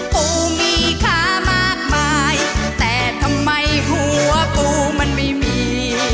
กูมีค่ามากมายแต่ทำไมหัวปูมันไม่มี